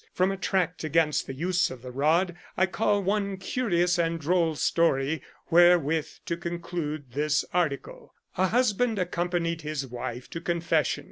From a tract against the use of the rod I cull one curious and droll story, wherewith to conclude this article :— A husband accompanied his wife to confession.